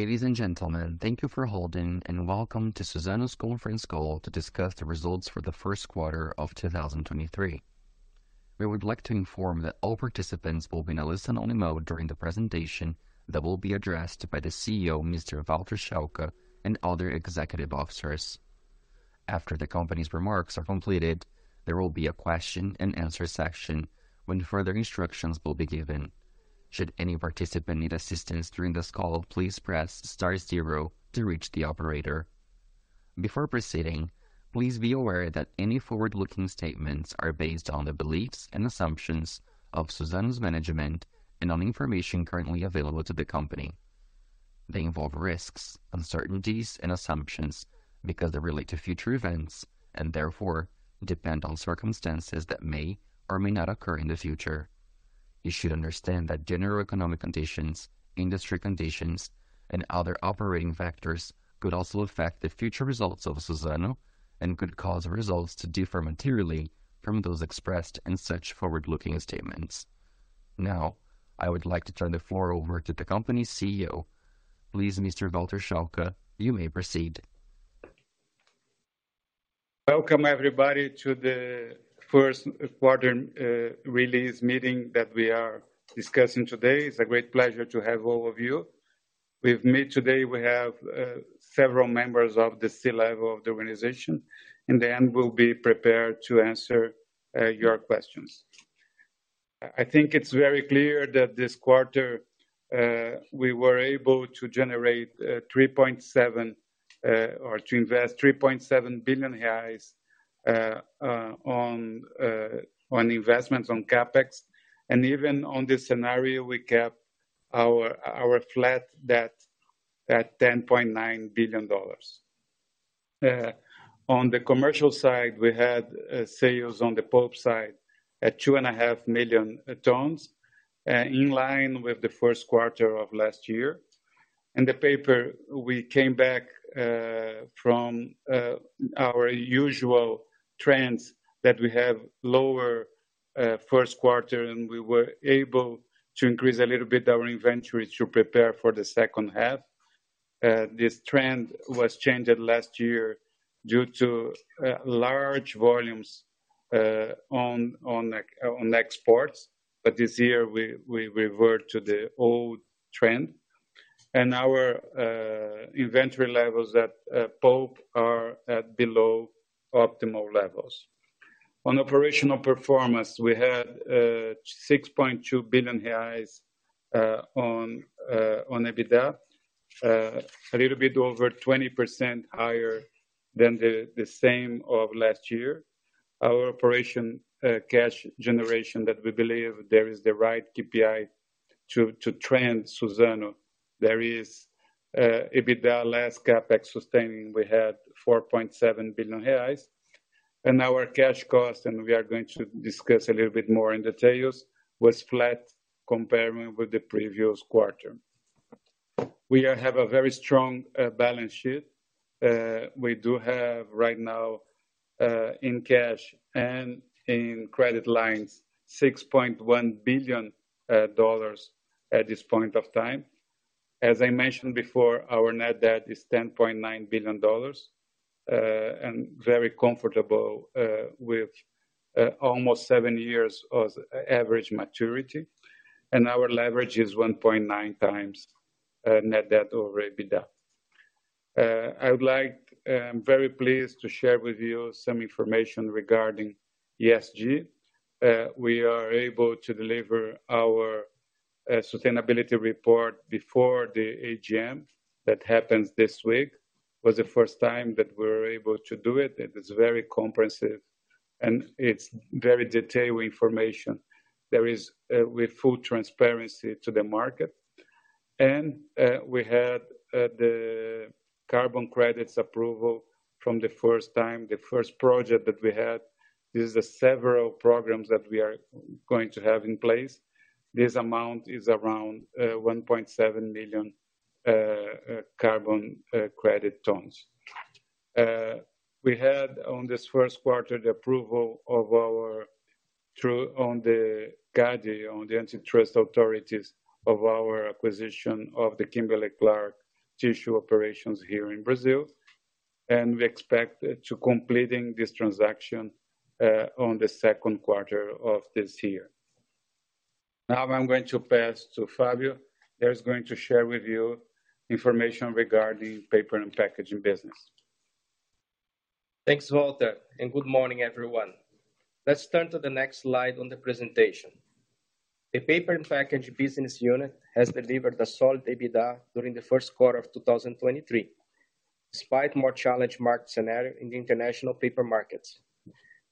Ladies and gentlemen, thank you for holding and welcome to Suzano's conference call to discuss the results for the first quarter of 2023. We would like to inform that all participants will be in a listen-only mode during the presentation that will be addressed by the CEO, Mr. Walter Schalka, and other executive officers. After the company's remarks are completed, there will be a question and answer section when further instructions will be given. Should any participant need assistance during this call, please press star zero to reach the operator. Before proceeding, please be aware that any forward-looking statements are based on the beliefs and assumptions of Suzano's management and on information currently available to the company. They involve risks, uncertainties and assumptions because they relate to future events and therefore depend on circumstances that may or may not occur in the future. You should understand that general economic conditions, industry conditions, and other operating factors could also affect the future results of Suzano and could cause results to differ materially from those expressed in such forward-looking statements. Now, I would like to turn the floor over to the company's CEO. Please, Mr. Walter Schalka, you may proceed. Welcome everybody to the first quarter release meeting that we are discussing today. It's a great pleasure to have all of you. With me today we have several members of the C-level of the organization. In the end, we'll be prepared to answer your questions. I think it's very clear that this quarter we were able to generate, or to invest 3.7 billion reais on investments on CapEx. Even on this scenario, we kept our flat debt at $10.9 billion. On the commercial side, we had sales on the pulp side at 2.5 million tons, in line with the first quarter of last year. In the paper, we came back from our usual trends that we have lower Q1, and we were able to increase a little bit our inventory to prepare for the second half. This trend was changed last year due to large volumes on exports. This year we revert to the old trend. Our inventory levels at pulp are at below optimal levels. On operational performance, we had 6.2 billion reais on EBITDA. A little bit over 20% higher than the same of last year. Our operation cash generation that we believe there is the right KPI to trend Suzano. There is EBITDA less CapEx sustaining. We had 4.7 billion reais. Our cash cost, and we are going to discuss a little bit more in details, was flat comparing with the previous quarter. We have a very strong balance sheet. We do have right now in cash and in credit lines $6.1 billion at this point of time. As I mentioned before, our net debt is $10.9 billion and very comfortable with almost 7 years of average maturity. Our leverage is 1.9x net debt over EBITDA. I'm very pleased to share with you some information regarding ESG. We are able to deliver our sustainability report before the AGM that happens this week. Was the first time that we're able to do it. It is very comprehensive and it's very detailed information. There is with full transparency to the market. We had the carbon credits approval from the first time, the first project that we had. This is several programs that we are going to have in place. This amount is around 1.7 million carbon credit tons. We had on this Q1 the approval of our on the CADE, on the antitrust authorities of our acquisition of the Kimberly-Clark tissue operations here in Brazil. We expect to completing this transaction on the Q2 of this year. Now I'm going to pass to Fabio, who is going to share with you information regarding paper and packaging business. Thanks, Walter. Good morning, everyone. Let's turn to the next slide on the presentation. The paper and packaging business unit has delivered a solid EBITDA during the first quarter of 2023, despite more challenged market scenario in the international paper markets.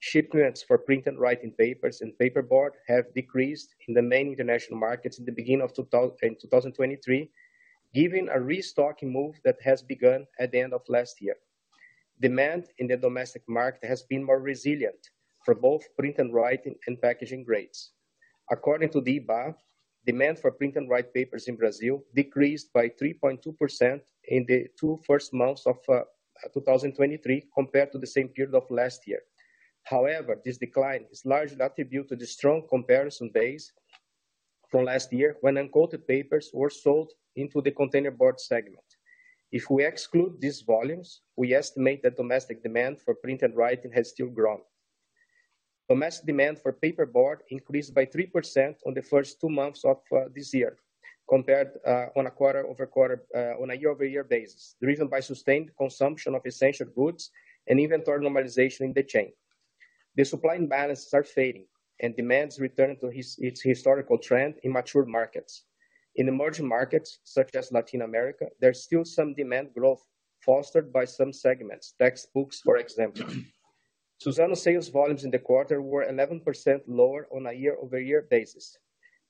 Shipments for printing and writing papers and paperboard have decreased in the main international markets in the beginning of 2023, giving a restocking move that has begun at the end of last year. Demand in the domestic market has been more resilient for both printing and writing and packaging grades. According to the IBGE, demand for printing and writing papers in Brazil decreased by 3.2% in the 2 first months of 2023 compared to the same period of last year. However, this decline is largely attributed to the strong comparison base from last year when uncoated papers were sold into the containerboard segment. If we exclude these volumes, we estimate that domestic demand for printing and writing has still grown. Domestic demand for paperboard increased by 3% on the first 2 months of this year compared on a quarter-over-quarter on a year-over-year basis. The reason by sustained consumption of essential goods and inventory normalization in the chain. The supply and balance are fading, and demands returning to its historical trend in mature markets. In emerging markets, such as Latin America, there's still some demand growth fostered by some segments, textbooks, for example. Suzano sales volumes in the quarter were 11% lower on a year-over-year basis.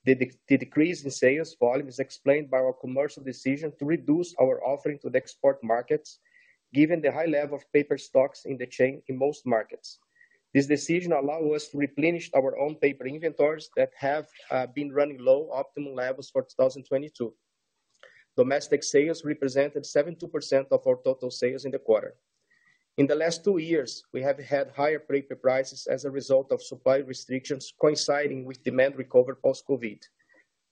The decrease in sales volume is explained by our commercial decision to reduce our offering to the export markets, given the high level of paper stocks in the chain in most markets. This decision allow us to replenish our own paper inventories that have been running low optimum levels for 2022. Domestic sales represented 72% of our total sales in the quarter. In the last two years, we have had higher paper prices as a result of supply restrictions coinciding with demand recovery post-COVID.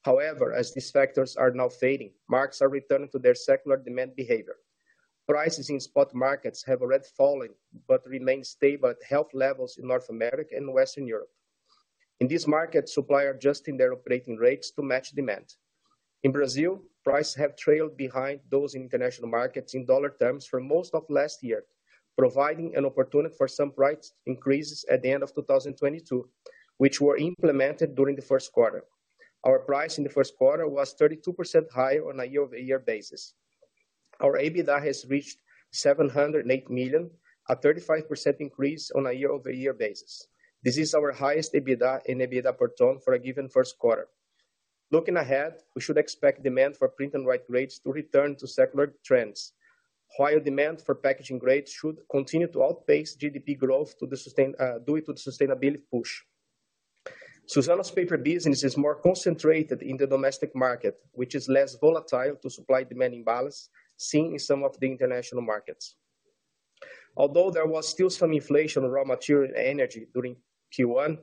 However, as these factors are now fading, markets are returning to their secular demand behavior. Prices in spot markets have already fallen, but remain stable at health levels in North America and Western Europe. In this market, supplier adjusting their operating rates to match demand. In Brazil, prices have trailed behind those international markets in dollar terms for most of last year, providing an opportunity for some price increases at the end of 2022, which were implemented during the first quarter. Our price in the first quarter was 32% higher on a year-over-year basis. Our EBITDA has reached $708 million, a 35% increase on a year-over-year basis. This is our highest EBITDA and EBITDA per ton for a given first quarter. Looking ahead, we should expect demand for printing and writing grades to return to secular trends, while demand for packaging grades should continue to outpace GDP growth due to the sustainability push. Suzano's paper business is more concentrated in the domestic market, which is less volatile to supply demanding balance seen in some of the international markets. Although there was still some inflation on raw material and energy during Q1,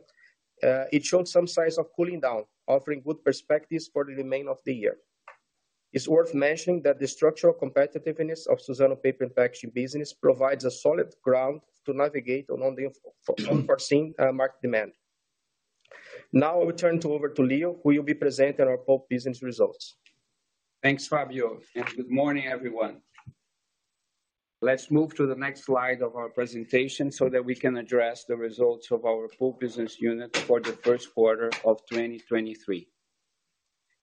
it showed some signs of cooling down, offering good perspectives for the remainder of the year. It's worth mentioning that the structural competitiveness of Suzano paper and packaging business provides a solid ground to navigate on the unforeseen market demand. Now I will turn over to Leo, who will be presenting our pulp business results. Thanks, Fabio. Good morning, everyone. Let's move to the next slide of our presentation so that we can address the results of our pulp business unit for the first quarter of 2023.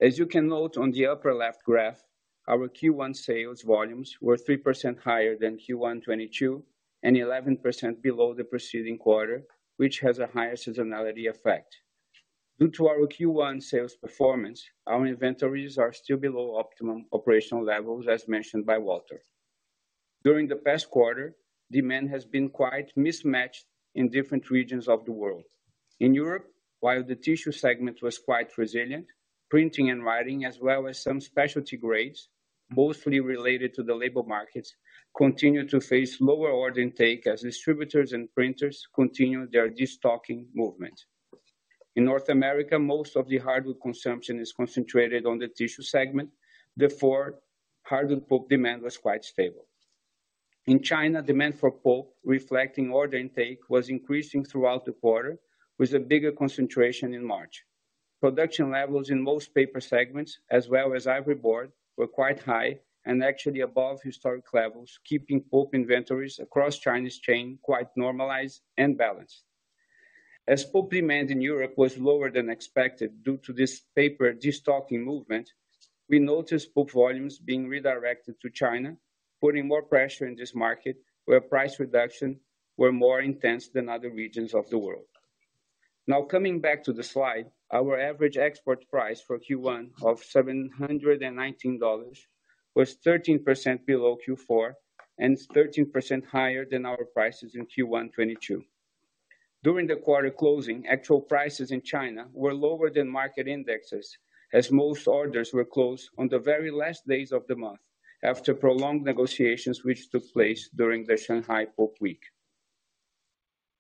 As you can note on the upper left graph, our Q1 sales volumes were 3% higher than Q1 2022 and 11% below the preceding quarter, which has a higher seasonality effect. Due to our Q1 sales performance, our inventories are still below optimum operational levels, as mentioned by Walter. During the past quarter, demand has been quite mismatched in different regions of the world. In Europe, while the tissue segment was quite resilient, printing and writing, as well as some specialty grades, mostly related to the labor markets, continued to face lower order intake as distributors and printers continued their destocking movement. In North America, most of the hardwood consumption is concentrated on the tissue segment. Therefore, hardwood pulp demand was quite stable. In China, demand for pulp reflecting order intake was increasing throughout the quarter with a bigger concentration in March. Production levels in most paper segments, as well as ivory board, were quite high and actually above historic levels, keeping pulp inventories across Chinese chain quite normalized and balanced. As pulp demand in Europe was lower than expected due to this paper destocking movement, we noticed pulp volumes being redirected to China, putting more pressure in this market, where price reduction were more intense than other regions of the world. Coming back to the slide, our average export price for Q1 of $719 was 13% below Q4 and is 13% higher than our prices in Q1 2022. During the quarter closing, actual prices in China were lower than market indexes as most orders were closed on the very last days of the month after prolonged negotiations which took place during the Shanghai Pulp Week.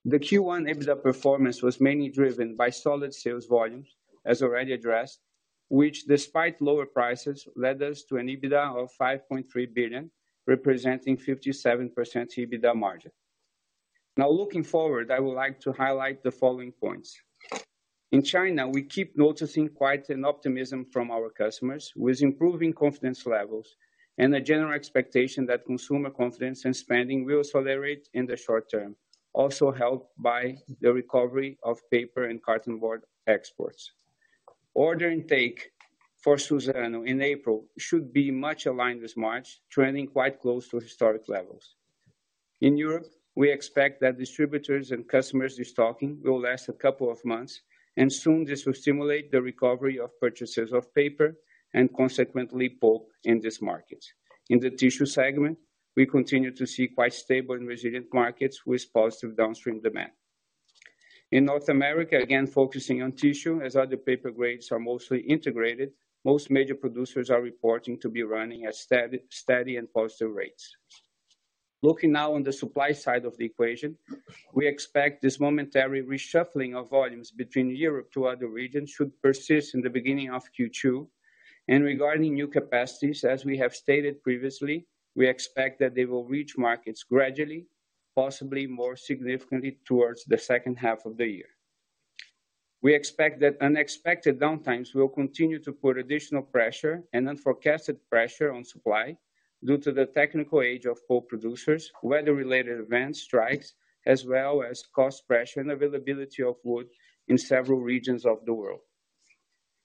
The Q1 EBITDA performance was mainly driven by solid sales volumes, as already addressed, which despite lower prices, led us to an EBITDA of $5.3 billion, representing 57% EBITDA margin. Looking forward, I would like to highlight the following points. In China, we keep noticing quite an optimism from our customers with improving confidence levels and a general expectation that consumer confidence and spending will accelerate in the short term, also helped by the recovery of paper and carton board exports. Order intake for Suzano in April should be much aligned with March, trending quite close to historic levels. In Europe, we expect that distributors and customers destocking will last a couple of months. Soon this will stimulate the recovery of purchases of paper and consequently pulp in this market. In the tissue segment, we continue to see quite stable and resilient markets with positive downstream demand. In North America, again, focusing on tissue as other paper grades are mostly integrated. Most major producers are reporting to be running at steady and positive rates. Looking now on the supply side of the equation, we expect this momentary reshuffling of volumes between Europe to other regions should persist in the beginning of Q2. Regarding new capacities, as we have stated previously, we expect that they will reach markets gradually, possibly more significantly towards the second half of the year. We expect that unexpected downtimes will continue to put additional pressure and unforecasted pressure on supply due to the technical age of pulp producers, weather-related events, strikes, as well as cost pressure and availability of wood in several regions of the world.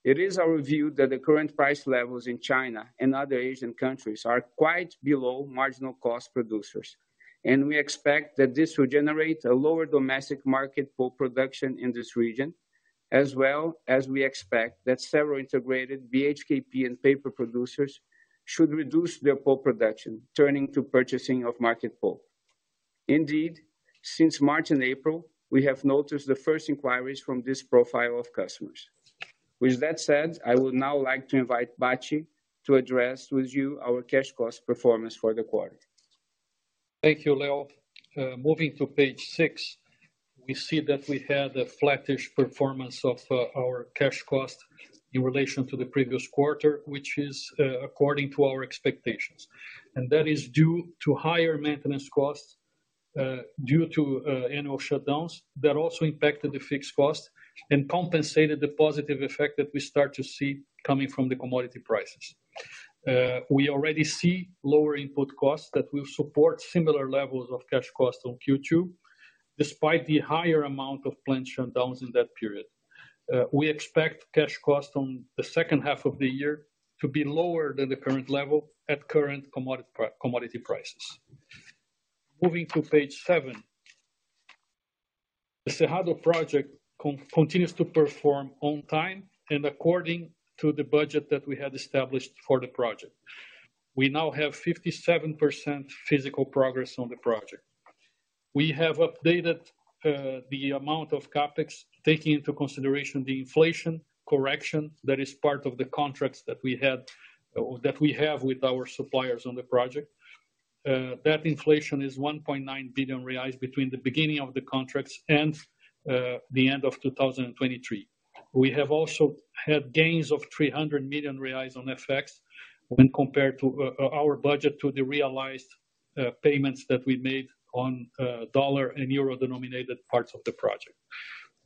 It is our view that the current price levels in China and other Asian countries are quite below marginal cost producers. We expect that this will generate a lower domestic market pulp production in this region, as well as we expect that several integrated BHKP and paper producers should reduce their pulp production, turning to purchasing of market pulp. Indeed, since March and April, we have noticed the first inquiries from this profile of customers. With that said, I would now like to invite Bacci to address with you our cash cost performance for the quarter. Thank you, Leo. Moving to page 6, we see that we had a flattish performance of our cash cost in relation to the previous quarter, which is according to our expectations. That is due to higher maintenance costs, due to annual shutdowns that also impacted the fixed cost and compensated the positive effect that we start to see coming from the commodity prices. We already see lower input costs that will support similar levels of cash costs on Q2, despite the higher amount of planned shutdowns in that period. We expect cash costs on the second half of the year to be lower than the current level at current commodity prices. Moving to page 7. The Cerrado project continues to perform on time and according to the budget that we had established for the project. We now have 57% physical progress on the project. We have updated the amount of CapEx, taking into consideration the inflation correction that is part of the contracts that we had or that we have with our suppliers on the project. That inflation is 1.9 billion reais between the beginning of the contracts and the end of 2023. We have also had gains of 300 million reais on FX when compared to our budget to the realized payments that we made on dollar and euro-denominated parts of the project.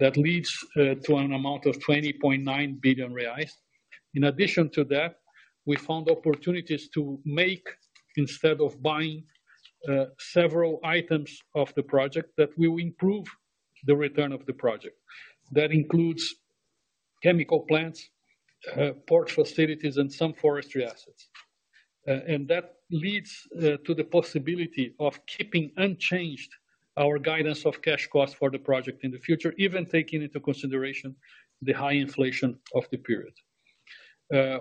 That leads to an amount of 20.9 billion reais. In addition to that, we found opportunities to make instead of buying several items of the project that will improve the return of the project. That includes chemical plants, port facilities, and some forestry assets. That leads to the possibility of keeping unchanged our guidance of cash costs for the project in the future, even taking into consideration the high inflation of the period.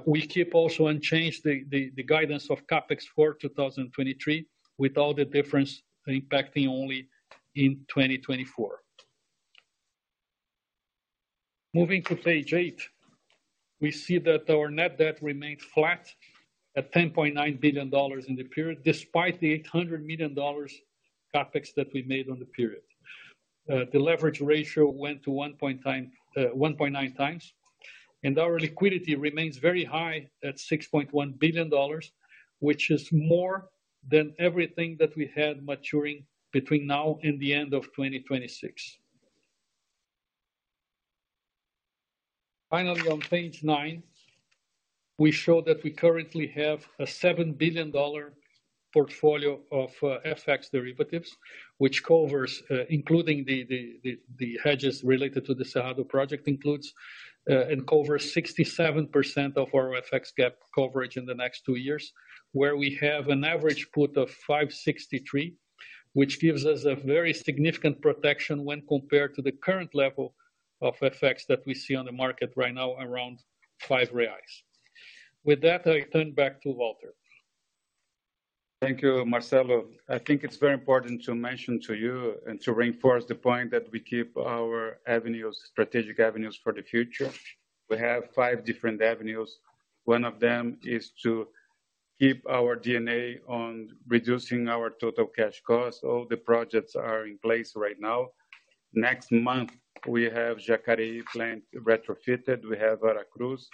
We keep also unchanged the guidance of CapEx for 2023, with all the difference impacting only in 2024. Moving to page 8, we see that our net debt remained flat at $10.9 billion in the period, despite the $800 million CapEx that we made on the period. The leverage ratio went to 1.9 times, and our liquidity remains very high at $6.1 billion, which is more than everything that we had maturing between now and the end of 2026. Finally, on page nine, we show that we currently have a $7 billion portfolio of FX derivatives, which covers, including the hedges related to the Cerrado project includes, and covers 67% of our FX gap coverage in the next two years, where we have an average put of 5.63, which gives us a very significant protection when compared to the current level of FX that we see on the market right now, around 5 reais. With that, I turn back to Walter. Thank you, Marcelo. I think it's very important to mention to you and to reinforce the point that we keep our avenues, strategic avenues for the future. We have 5 different avenues. One of them is to keep our DNA on reducing our total cash costs. All the projects are in place right now. Next month, we have Jacareí plant retrofitted. We have Aracruz.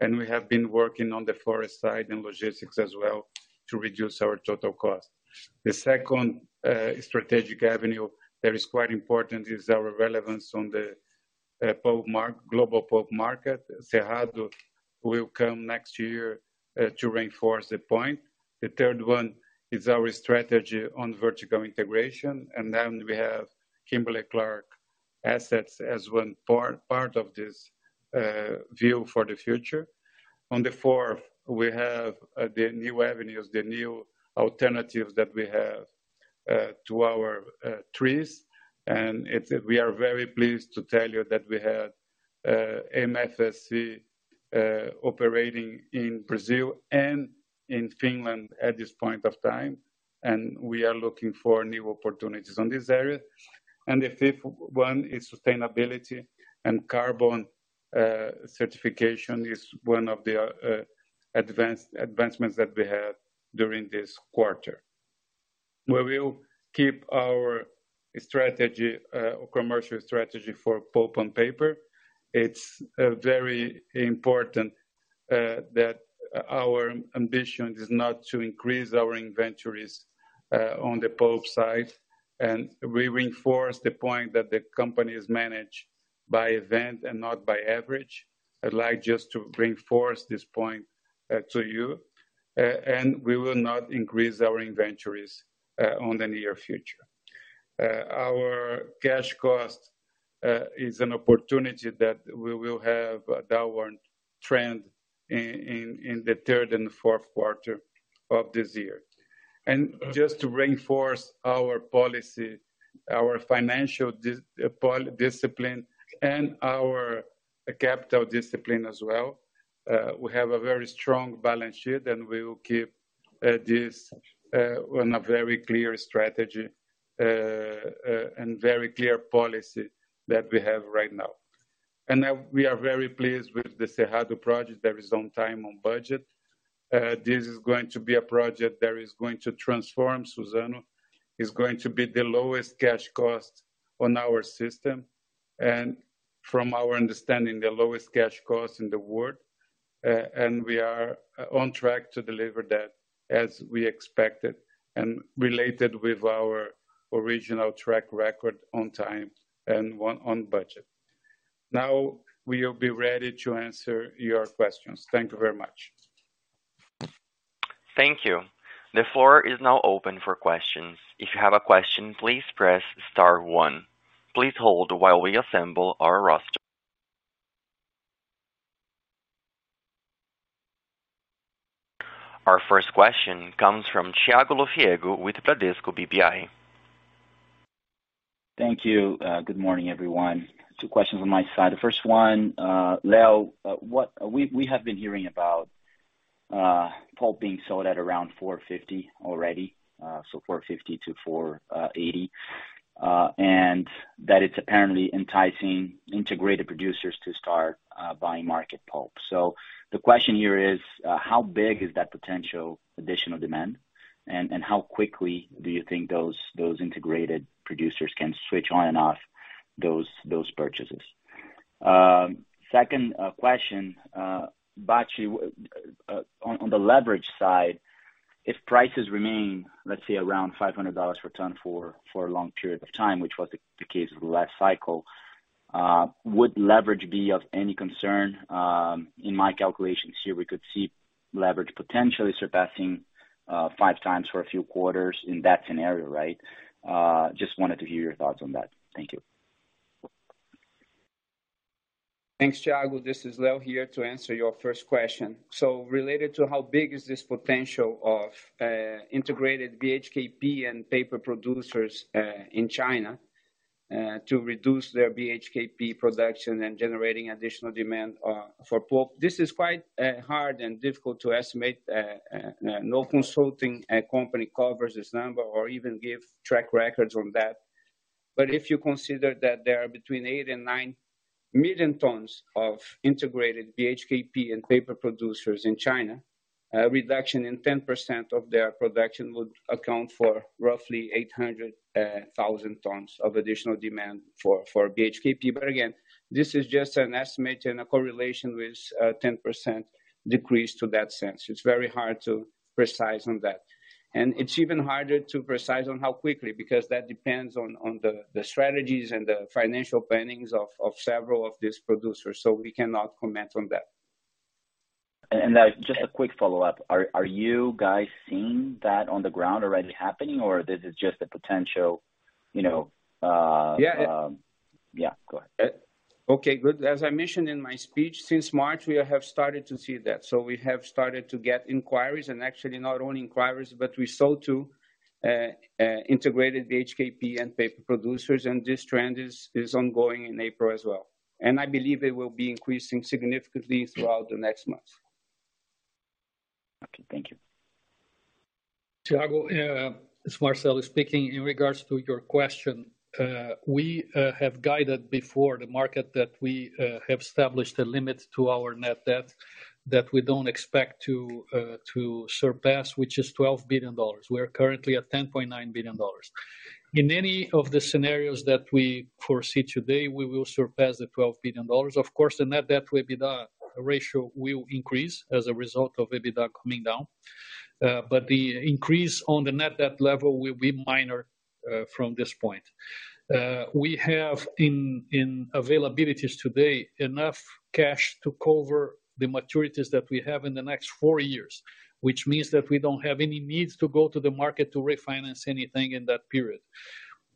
We have been working on the forest side and logistics as well to reduce our total cost. The second strategic avenue that is quite important is our relevance on the global pulp market. Cerrado will come next year to reinforce the point. The third one is our strategy on vertical integration. We have Kimberly-Clark assets as one part of this view for the future. On the fourth, we have the new avenues, the new alternatives that we have to our trees. We are very pleased to tell you that we had [MFC] operating in Brazil and in Finland at this point of time, and we are looking for new opportunities on this area. The fifth one is sustainability and carbon certification is one of the advancements that we had during this quarter. Where we'll keep our strategy, commercial strategy for pulp and paper. It's very important that our ambition is not to increase our inventories on the pulp side. We reinforce the point that the company is managed by event and not by average. I'd like just to reinforce this point to you. We will not increase our inventories on the near future. Our cash cost is an opportunity that we will have a downward trend in the third and fourth quarter of this year. Just to reinforce our policy, our financial discipline and our capital discipline as well, we have a very strong balance sheet, and we will keep this on a very clear strategy and very clear policy that we have right now. We are very pleased with the Cerrado project that is on time and on budget. This is going to be a project that is going to transform Suzano. It's going to be the lowest cash cost on our system and from our understanding, the lowest cash cost in the world. We are on track to deliver that as we expected and related with our original track record on time and on budget. Now, we'll be ready to answer your questions. Thank you very much. Thank you. The floor is now open for questions. If you have a question, please press star one. Please hold while we assemble our roster. Our first question comes from Thiago Lofiego with Bradesco BBI. Thank you. Good morning, everyone. Two questions on my side. The first one, Leo, We have been hearing about pulp being sold at around $450 already, so $450-$480. That it's apparently enticing integrated producers to start buying market pulp. The question here is, how big is that potential additional demand? How quickly do you think those integrated producers can switch on and off those purchases? Second question, Bacci, on the leverage side, if prices remain, let's say, around $500 per ton for a long period of time, which was the case of the last cycle, would leverage be of any concern? In my calculations here, we could see leverage potentially surpassing 5x for a few quarters in that scenario, right? Just wanted to hear your thoughts on that. Thank you. Thanks, Thiago. This is Leo here to answer your first question. Related to how big is this potential of integrated BHKP and paper producers in China to reduce their BHKP production and generating additional demand for pulp, this is quite hard and difficult to estimate. No consulting company covers this number or even give track records on that. If you consider that there are between 8-9 million tons of integrated BHKP and paper producers in China, a reduction in 10% of their production would account for roughly 800,000 tons of additional demand for BHKP. Again, this is just an estimate and a correlation with a 10% decrease to that sense. It's very hard to precise on that. It's even harder to precise on how quickly, because that depends on the strategies and the financial plannings of several of these producers. We cannot comment on that. Just a quick follow-up. Are you guys seeing that on the ground already happening or this is just a potential, you know? Yeah. Yeah, go ahead. Okay, good. As I mentioned in my speech, since March, we have started to see that. We have started to get inquiries and actually not only inquiries, but we sold to integrated BHKP and paper producers, and this trend is ongoing in April as well. I believe it will be increasing significantly throughout the next months. Okay. Thank you. Thiago, it's Marcel speaking. In regards to your question, we have guided before the market that we have established a limit to our net debt that we don't expect to surpass, which is $12 billion. We are currently at $10.9 billion. In any of the scenarios that we foresee today, we will surpass the $12 billion. Of course, the ratio will increase as a result of EBITDA coming down. The increase on the net debt level will be minor from this point. We have in availabilities today enough cash to cover the maturities that we have in the next four years. Which means that we don't have any needs to go to the market to refinance anything in that period.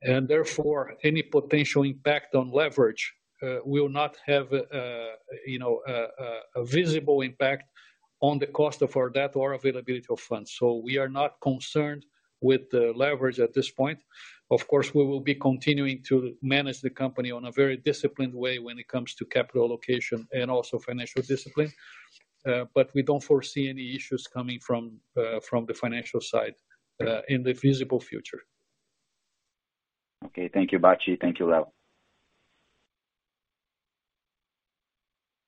Therefore, any potential impact on leverage, will not have, you know, a visible impact on the cost of our debt or availability of funds. We are not concerned with the leverage at this point. Of course, we will be continuing to manage the company on a very disciplined way when it comes to capital allocation and also financial discipline. We don't foresee any issues coming from the financial side, in the visible future. Okay. Thank you, Bacci. Thank you, Leo.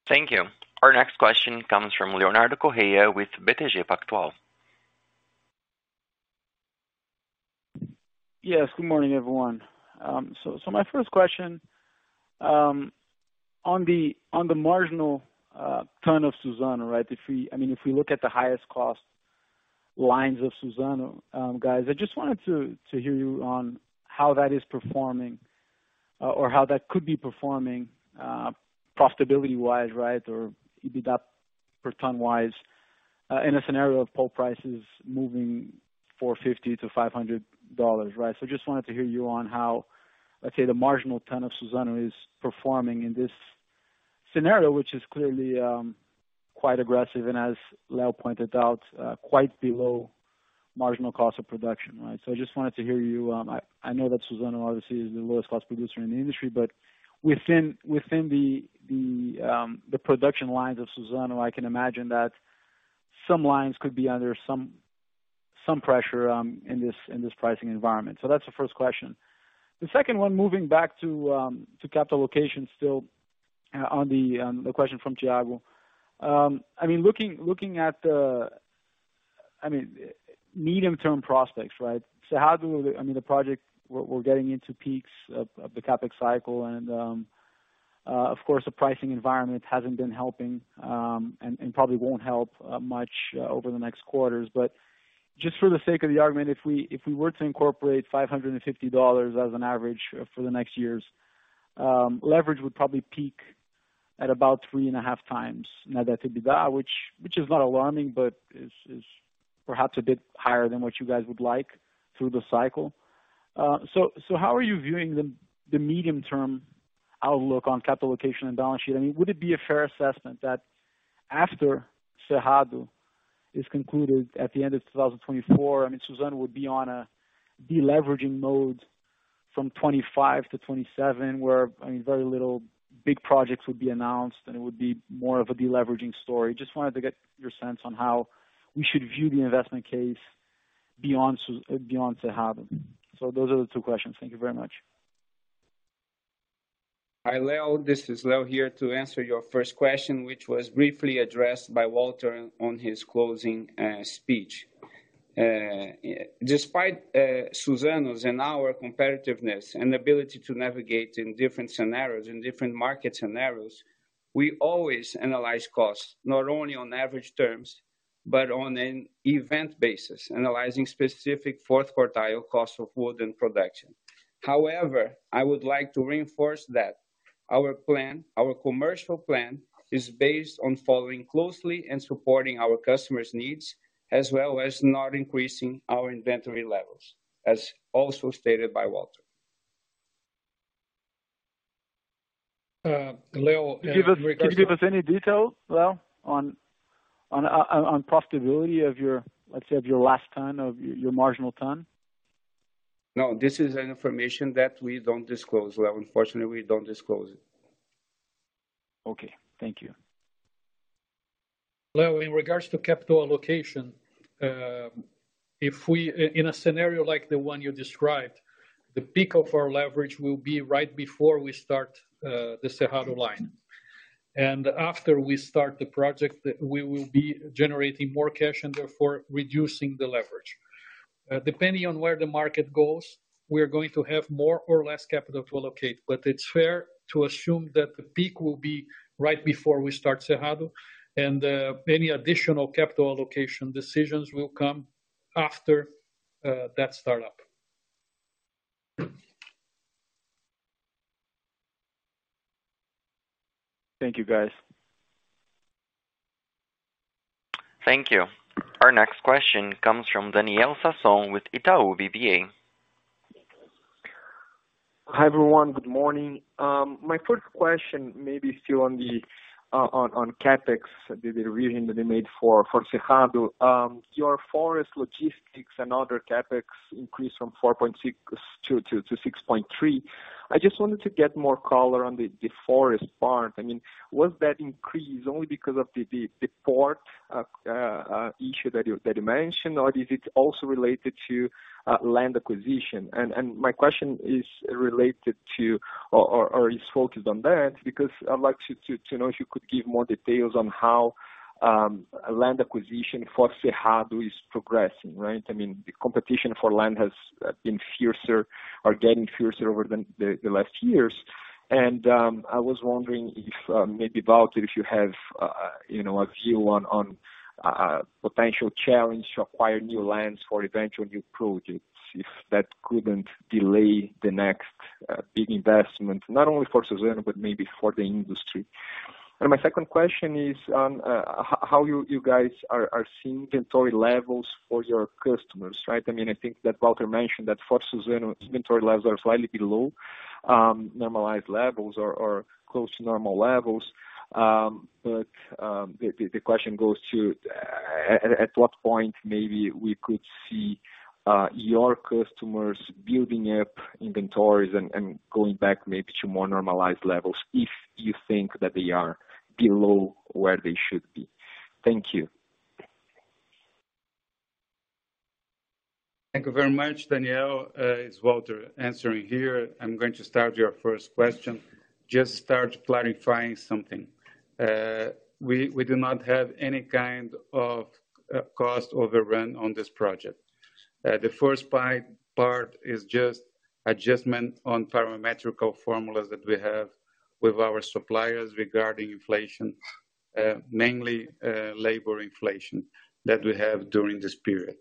Thank you. Our next question comes from Leonardo Correa with BTG Pactual. Yes, good morning, everyone. My first question on the marginal ton of Suzano, right? If we look at the highest cost lines of Suzano, guys, I just wanted to hear you on how that is performing or how that could be performing profitability-wise, right? Or EBITDA per ton wise, in a scenario of pulp prices moving $450-$500, right? Just wanted to hear you on how, let's say, the marginal ton of Suzano is performing in this scenario, which is clearly quite aggressive, and as Leo pointed out, quite below marginal cost of production, right? I just wanted to hear you. I know that Suzano obviously is the lowest cost producer in the industry, but within the production lines of Suzano, I can imagine that some lines could be under some pressure in this pricing environment. That's the first question. The second one, moving back to capital allocation still on the question from Thiago. I mean, looking at the, I mean, medium-term prospects, right? Cerrado, I mean, the project we're getting into peaks of the CapEx cycle and of course, the pricing environment hasn't been helping and probably won't help much over the next quarters. Just for the sake of the argument, if we were to incorporate $550 as an average for the next years, leverage would probably peak at about 3.5x net debt to EBITDA, which is not alarming, but is perhaps a bit higher than what you guys would like through the cycle. So how are you viewing the medium term outlook on capital allocation and balance sheet? I mean, would it be a fair assessment that after Cerrado is concluded at the end of 2024, I mean, Suzano would be on a deleveraging mode from 2025 to 2027, where, I mean, very little big projects would be announced, and it would be more of a deleveraging story. Just wanted to get your sense on how we should view the investment case beyond Cerrado. Those are the two questions. Thank you very much. Hi, Leo. This is Leo here to answer your first question, which was briefly addressed by Walter on his closing speech. Despite Suzano's and our competitiveness and ability to navigate in different scenarios, in different market scenarios, we always analyze costs, not only on average terms, but on an event basis, analyzing specific fourth quartile costs of wood and production. However, I would like to reinforce that our plan, our commercial plan is based on following closely and supporting our customers' needs, as well as not increasing our inventory levels, as also stated by Walter. Leo. Can you give us any detail, Leo, on profitability of your, let's say, of your last ton, of your marginal ton? No, this is an information that we don't disclose, Leo. Unfortunately, we don't disclose it. Okay. Thank you. Leo, in regards to capital allocation, in a scenario like the one you described, the peak of our leverage will be right before we start the Cerrado line. After we start the project, we will be generating more cash and therefore reducing the leverage. Depending on where the market goes, we are going to have more or less capital to allocate, but it's fair to assume that the peak will be right before we start Cerrado, and any additional capital allocation decisions will come after that startup. Thank you, guys. Thank you. Our next question comes from Daniel Sasson with Itaú BBA. Hi, everyone. Good morning. My first question may be still on the CapEx, the revision that you made for Cerrado. Your forest logistics and other CapEx increased from $4.6 to $6.3. I just wanted to get more color on the forest part. I mean, was that increase only because of the port issue that you mentioned, or is it also related to land acquisition? My question is related to or is focused on that because I'd like to know if you could give more details on how land acquisition for Cerrado is progressing, right? I mean, the competition for land has been fiercer or getting fiercer over the last years. I was wondering if, maybe, Walter, if you have, you know, a view on potential challenge to acquire new lands for eventual new projects, if that couldn't delay the next big investment, not only for Suzano but maybe for the industry. My second question is on how you guys are seeing inventory levels for your customers, right? I mean, I think that Walter mentioned that for Suzano, inventory levels are slightly below. Normalized levels or close to normal levels. But the question goes to at what point maybe we could see your customers building up inventories and going back maybe to more normalized levels if you think that they are below where they should be. Thank you. Thank you very much, Daniel. It's Walter answering here. I'm going to start your first question. Just start clarifying something. We do not have any kind of cost overrun on this project. The first part is just adjustment on parametrical formulas that we have with our suppliers regarding inflation, mainly labor inflation that we have during this period.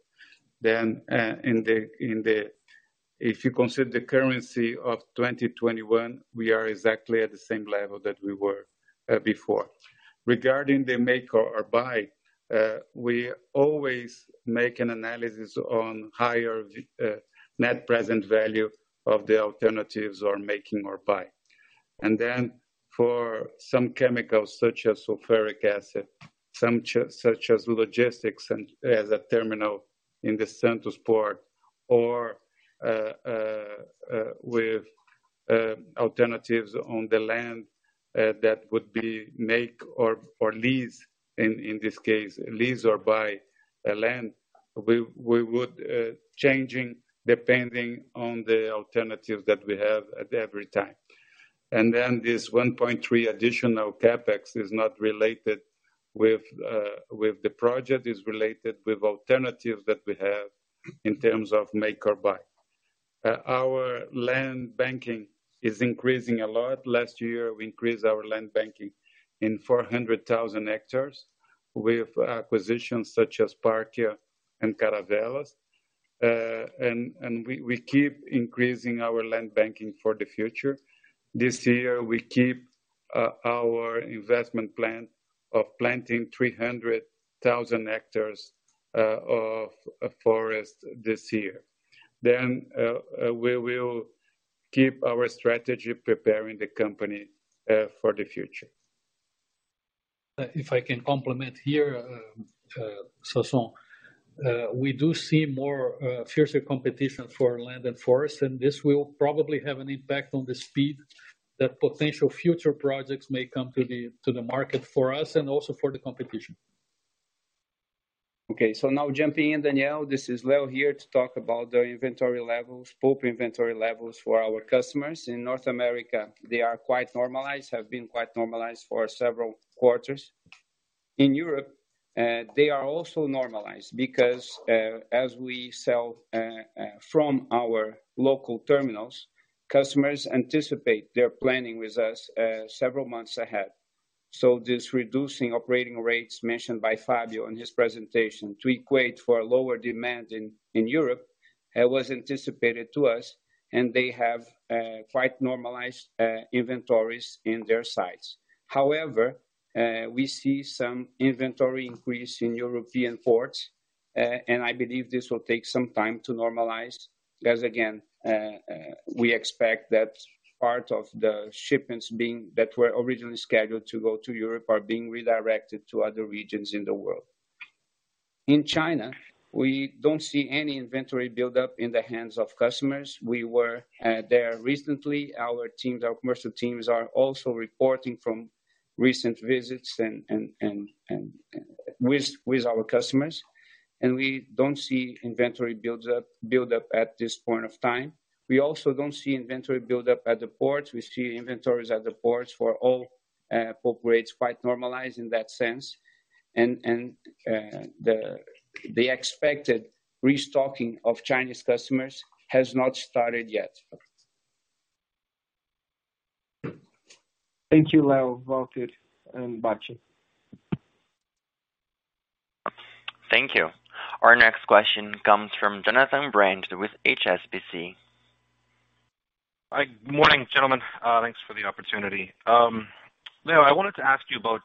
If you consider the currency of 2021, we are exactly at the same level that we were before. Regarding the make or buy, we always make an analysis on higher net present value of the alternatives or making or buy. For some chemicals such as sulfuric acid, some such as logistics and as a terminal in the Santos port or with alternatives on the land, that would be make or lease, in this case, lease or buy the land, we would changing depending on the alternative that we have at every time. This $1.3 additional CapEx is not related with the project. It's related with alternatives that we have in terms of make or buy. Our land banking is increasing a lot. Last year, we increased our land banking in 400,000 hectares with acquisitions such as Pactiv and Caravelas. And we keep increasing our land banking for the future. This year, we keep our investment plan of planting 300,000 hectares of forest this year. We will keep our strategy preparing the company for the future. If I can complement here, Sasson, we do see more fiercer competition for land and forest, and this will probably have an impact on the speed that potential future projects may come to the market for us and also for the competition. Now jumping in, Daniel, this is Leo here to talk about the inventory levels, pulp inventory levels for our customers. In North America, they are quite normalized, have been quite normalized for several quarters. In Europe, they are also normalized because as we sell from our local terminals, customers anticipate their planning with us several months ahead. This reducing operating rates mentioned by Fabio in his presentation to equate for lower demand in Europe was anticipated to us, and they have quite normalized inventories in their sites. We see some inventory increase in European ports, and I believe this will take some time to normalize as, again, we expect that part of the shipments that were originally scheduled to go to Europe are being redirected to other regions in the world. In China, we don't see any inventory buildup in the hands of customers. We were there recently. Our teams, our commercial teams are also reporting from recent visits and with our customers, and we don't see inventory build up at this point of time. We also don't see inventory build up at the ports. We see inventories at the ports for all pulp grades quite normalized in that sense. The expected restocking of Chinese customers has not started yet. Thank you, Leo, Walter, and Bacci. Thank you. Our next question comes from Jonathan Brandt with HSBC. Hi. Morning, gentlemen. Thanks for the opportunity. Leo, I wanted to ask you about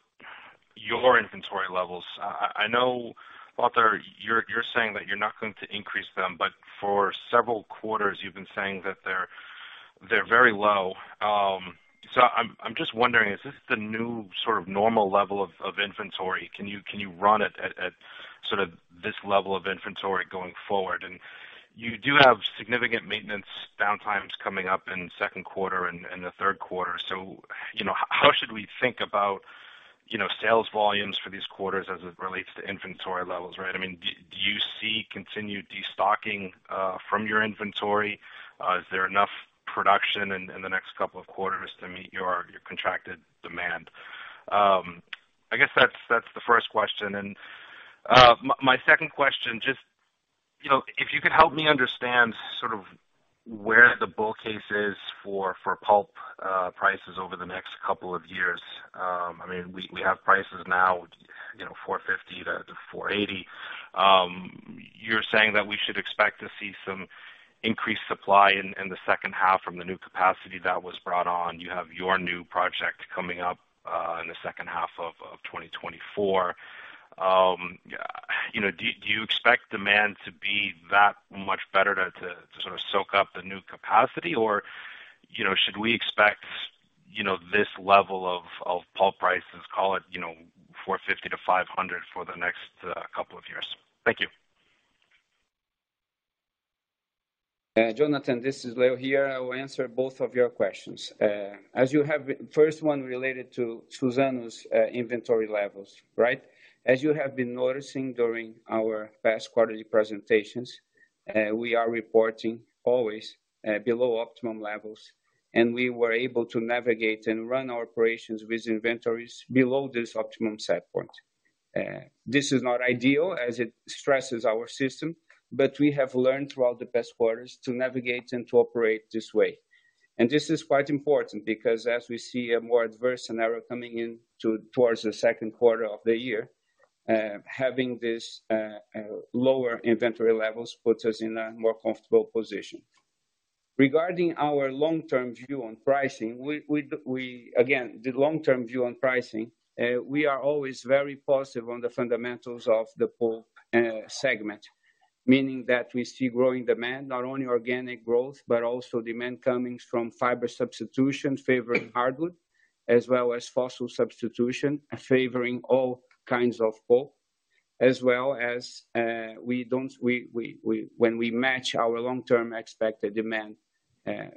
your inventory levels. I know, Walter, you're saying that you're not going to increase them, but for several quarters you've been saying that they're very low. I'm just wondering, is this the new sort of normal level of inventory? Can you run it at sort of this level of inventory going forward? You do have significant maintenance downtimes coming up in second quarter and the third quarter. You know, how should we think about, you know, sales volumes for these quarters as it relates to inventory levels, right? I mean, do you see continued destocking from your inventory? Is there enough production in the next couple of quarters to meet your contracted demand? I guess that's the first question. My second question, just, you know, if you could help me understand sort of where the bull case is for pulp prices over the next couple of years. I mean, we have prices now, you know, $450-$480. You're saying that we should expect to see some increased supply in the second half from the new capacity that was brought on. You have your new project coming up in the second half of 2024. Yeah, do you expect demand to be that much better to sort of soak up the new capacity? You know, should we expect, you know, this level of pulp prices, call it, you know, $450-$500 for the next couple of years? Thank you. Jonathan, this is Leo here. I will answer both of your questions. First one related to Suzano's inventory levels, right? As you have been noticing during our past quarterly presentations, we are reporting always below optimum levels, and we were able to navigate and run our operations with inventories below this optimum set point. This is not ideal as it stresses our system, but we have learned throughout the past quarters to navigate and to operate this way. This is quite important because as we see a more adverse scenario coming in towards the second quarter of the year, having this lower inventory levels puts us in a more comfortable position. Regarding our long-term view on pricing, we, again, the long-term view on pricing, we are always very positive on the fundamentals of the pulp segment. Meaning that we see growing demand, not only organic growth, but also demand coming from fiber substitution favoring hardwood, as well as fossil substitution favoring all kinds of pulp. As well as, we don't. We when we match our long-term expected demand,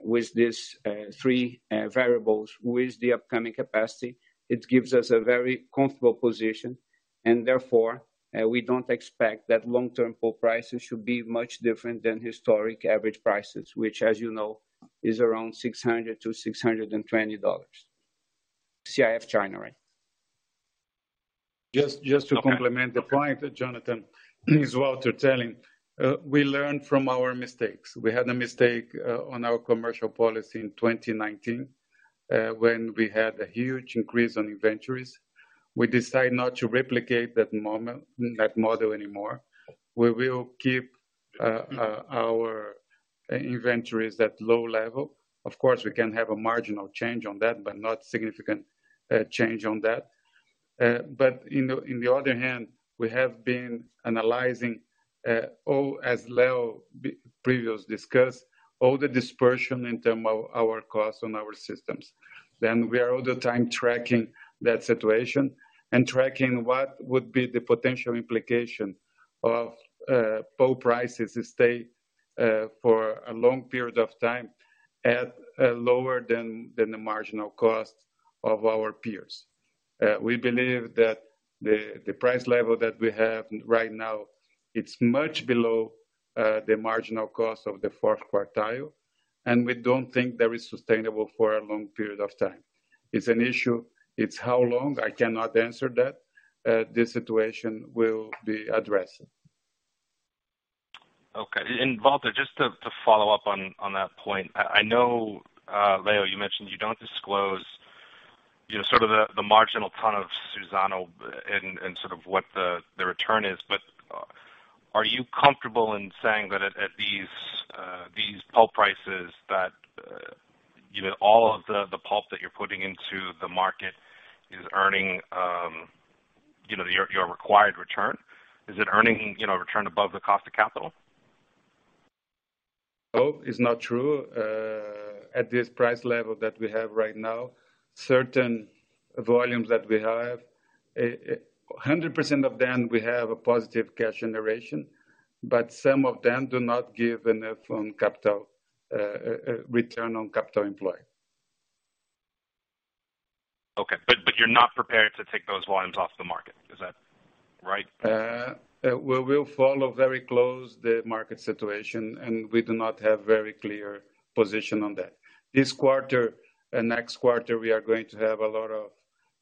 with this three variables with the upcoming capacity, it gives us a very comfortable position, and therefore, we don't expect that long-term pulp prices should be much different than historic average prices, which, as you know, is around $600-$620 CIF China, right? Just to complement the point, Jonathan, is Walter telling, we learn from our mistakes. We had a mistake on our commercial policy in 2019 when we had a huge increase on inventories. We decided not to replicate that moment, that model anymore. We will keep our inventories at low level. Of course, we can have a marginal change on that, but not significant change on that. But in the other hand, we have been analyzing all, as Leo previous discussed, all the dispersion in term of our costs on our systems. We are all the time tracking that situation and tracking what would be the potential implication of pulp prices stay for a long period of time at lower than the marginal cost of our peers. We believe that the price level that we have right now, it's much below the marginal cost of the fourth quartile, and we don't think that is sustainable for a long period of time. It's an issue. It's how long, I cannot answer that, this situation will be addressed. Okay. Walter, just to follow up on that point. I know, Leo, you mentioned you don't disclose, you know, sort of the marginal ton of Suzano and sort of what the return is. Are you comfortable in saying that at these pulp prices that, you know, all of the pulp that you're putting into the market is earning, you know, your required return? Is it earning, you know, return above the cost of capital? No, it's not true. At this price level that we have right now, certain volumes that we have, 100% of them, we have a positive cash generation, but some of them do not give enough, capital, return on capital employed. Okay. You're not prepared to take those volumes off the market. Is that right? We will follow very close the market situation, and we do not have very clear position on that. This quarter and next quarter, we are going to have a lot of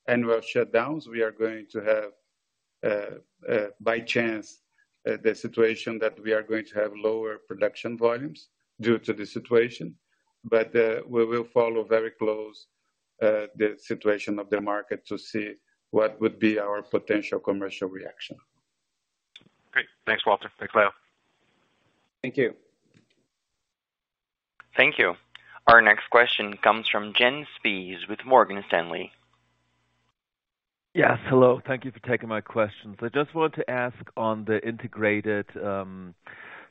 annual shutdowns. We are going to have, by chance, the situation that we are going to have lower production volumes due to the situation. We will follow very close, the situation of the market to see what would be our potential commercial reaction. Great. Thanks, Walter. Thanks, Leo. Thank you. Thank you. Our next question comes from Jens Spiess with Morgan Stanley. Yes. Hello. Thank you for taking my questions. I just want to ask on the integrated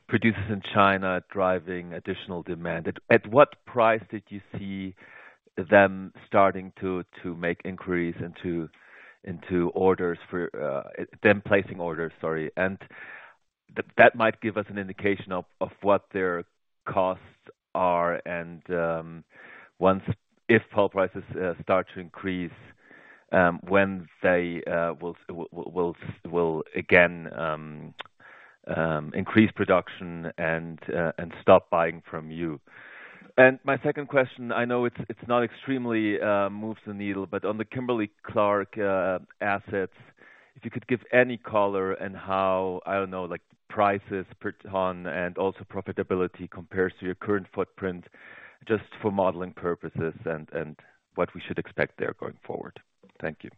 producers in China driving additional demand. At what price did you see them starting to make inquiries into orders for them placing orders, sorry? That might give us an indication of what their costs are and once... If pulp prices start to increase, when they will again increase production and stop buying from you. My second question, I know it's not extremely moves the needle, but on the Kimberly-Clark assets, if you could give any color and how, I don't know, like prices per ton and also profitability compares to your current footprint just for modeling purposes and what we should expect there going forward. Thank you.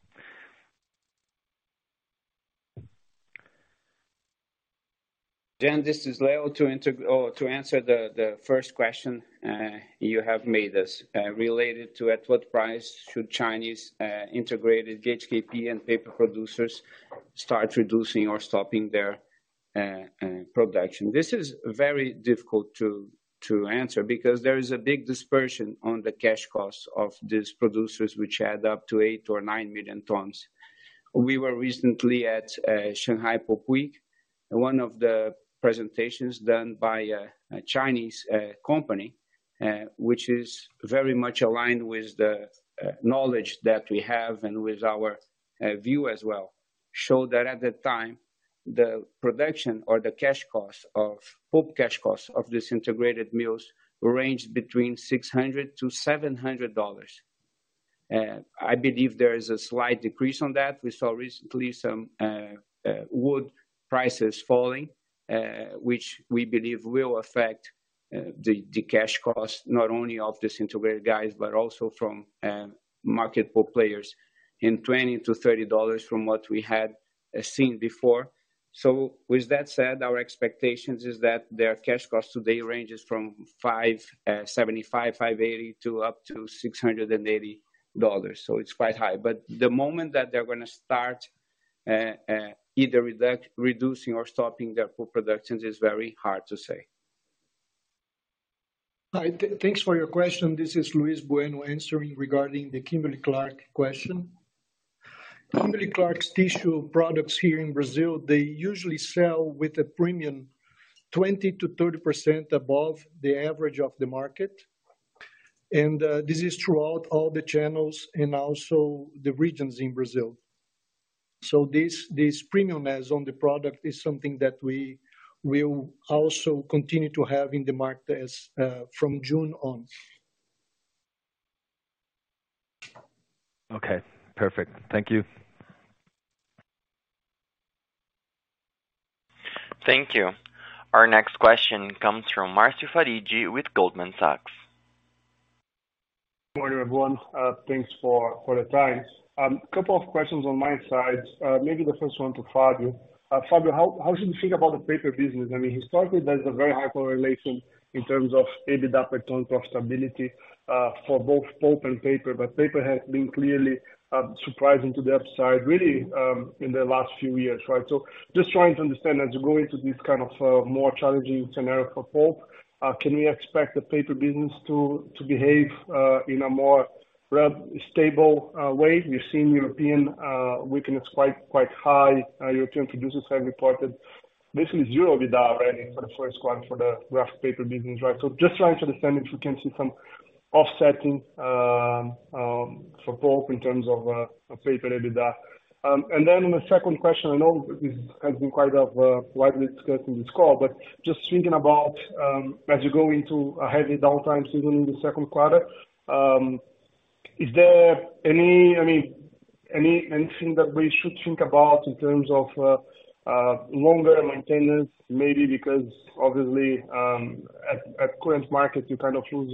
Jan, this is Leo. To answer the first question you have made us related to at what price should Chinese integrated HKP and paper producers start reducing or stopping their production. This is very difficult to answer because there is a big dispersion on the cash costs of these producers, which add up to 8 million or 9 million tons. We were recently at Shanghai Pulp Week. One of the presentations done by a Chinese company which is very much aligned with the knowledge that we have and with our view as well, show that at the time, the production or the pulp cash costs of these integrated mills ranged between $600-$700. I believe there is a slight decrease on that. We saw recently some wood prices falling, which we believe will affect the cash costs not only of these integrated guys but also from market pulp players in $20-$30 from what we had seen before. With that said, our expectations is that their cash costs today ranges from $575, $580 to up to $680. It's quite high. The moment that they're gonna start either reducing or stopping their pulp productions is very hard to say. Hi, thanks for your question. This is Luís Bueno answering regarding the Kimberly-Clark question. Kimberly-Clark's tissue products here in Brazil, they usually sell with a premium 20%-30% above the average of the market. This is throughout all the channels and also the regions in Brazil. This premium as on the product is something that we will also continue to have in the market as from June on. Okay. Perfect. Thank you. Thank you. Our next question comes from Marcio Farid with Goldman Sachs. Good morning, everyone. Thanks for the time. Couple of questions on my side. Maybe the first one to Fabio. Fabio, how should we think about the paper business? I mean, historically, there's a very high correlation in terms of EBITDA per ton cost stability for both pulp and paper, but paper has been clearly surprising to the upside really in the last few years, right? Just trying to understand as you go into this kind of more challenging scenario for pulp, can we expect the paper business to behave in a more stable way? We've seen European weakness quite high. European producers have reported basically zero EBITDA, right, for the first quarter for the graph paper business, right? Just trying to understand if we can see some offsetting for pulp in terms of paper EBITDA. The second question, I know this has been quite a widely discussed in this call, but just thinking about as you go into a heavy downtime season in the second quarter, is there anything that we should think about in terms of longer maintenance? Maybe because obviously, at current market, you kind of lose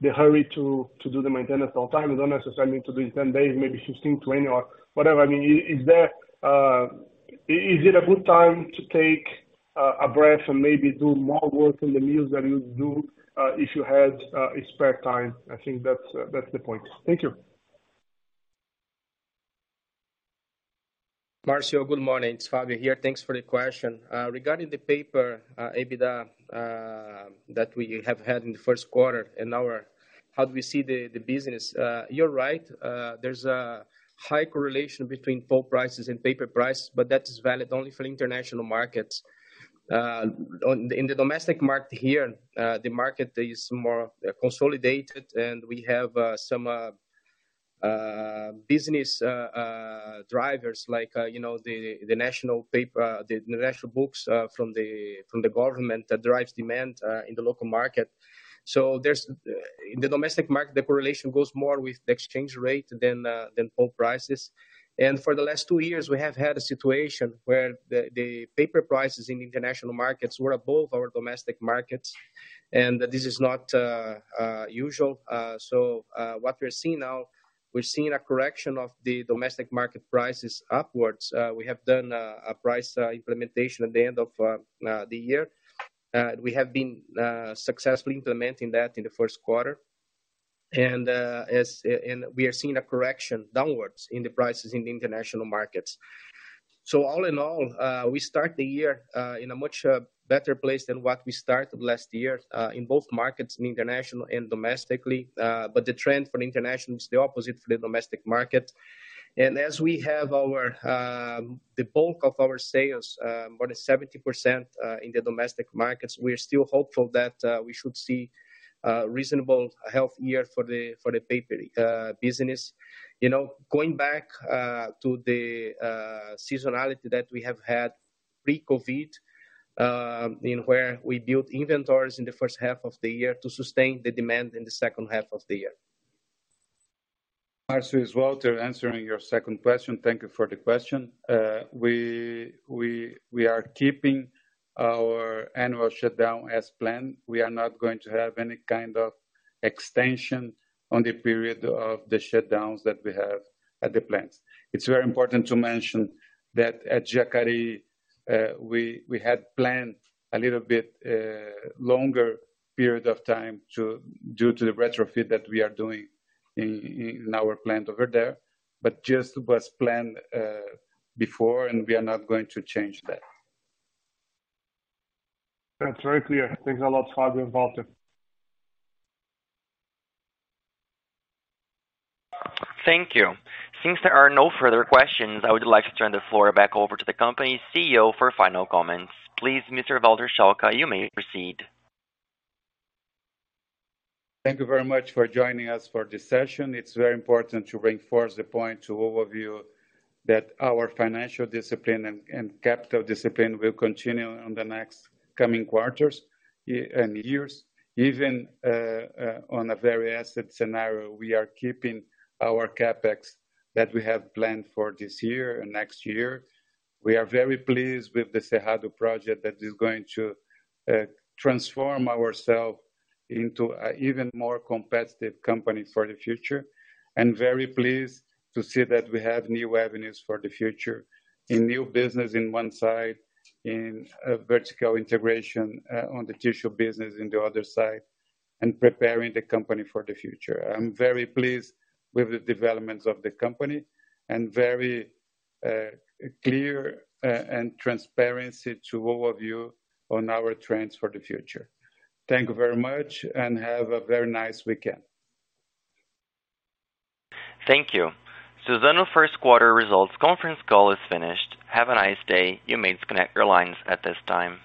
the hurry to do the maintenance all time. You don't necessarily need to do it 10 days, maybe 15, 20 or whatever. I mean, is there a good time to take a breath and maybe do more work in the mills than you do, if you had spare time? I think that's the point. Thank you. Marcio, good morning. It's Fabio here. Thanks for the question. Regarding the paper EBITDA that we have had in the first quarter, how do we see the business? You're right. There's a high correlation between pulp prices and paper prices. That is valid only for international markets. In the domestic market here, the market is more consolidated, and we have some business drivers like, you know, the national paper, the national books from the government that drives demand in the local market. In the domestic market, the correlation goes more with the exchange rate than pulp prices. For the last two years, we have had a situation where the paper prices in international markets were above our domestic markets, and this is not usual. What we're seeing now, we're seeing a correction of the domestic market prices upwards. We have done a price implementation at the end of the year. We have been successfully implementing that in the first quarter. We are seeing a correction downwards in the prices in the international markets. All in all, we start the year in a much better place than what we started last year, in both markets, in international and domestically. The trend for international is the opposite for the domestic market. As we have our the bulk of our sales, more than 70% in the domestic markets, we are still hopeful that we should see a reasonable health year for the paper business. You know, going back to the seasonality that we have had pre-COVID, in where we built inventories in the first half of the year to sustain the demand in the second half of the year. Marcio, it's Walter answering your second question. Thank you for the question. We are keeping our annual shutdown as planned. We are not going to have any kind of extension on the period of the shutdowns that we have at the plants. It's very important to mention that at Jacarei, we had planned a little bit longer period of time due to the retrofit that we are doing in our plant over there. Just was planned before, and we are not going to change that. That's very clear. Thanks a lot, Fabio and Walter. Thank you. Since there are no further questions, I would like to turn the floor back over to the company's CEO for final comments. Please, Mr. Walter Schalka, you may proceed. Thank you very much for joining us for this session. It's very important to reinforce the point to all of you that our financial discipline and capital discipline will continue on the next coming quarters years. Even on a very asset scenario, we are keeping our CapEx that we have planned for this year and next year. We are very pleased with the Cerrado project that is going to transform ourself into a even more competitive company for the future, and very pleased to see that we have new avenues for the future. In new business in one side, in a vertical integration on the tissue business in the other side, and preparing the company for the future. I'm very pleased with the developments of the company and very, clear, and transparency to all of you on our trends for the future. Thank you very much and have a very nice weekend. Thank you. Suzano first quarter results conference call is finished. Have a nice day. You may disconnect your lines at this time.